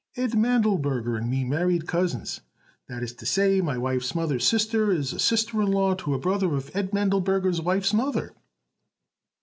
"Ed Mandleberger and me married cousins. That is to say, my wife's mother's sister is a sister in law to a brother of Ed Mandleberger's wife's mother."